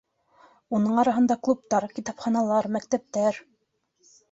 Уның араһында клубтар, китапханалар, мәктәптәр...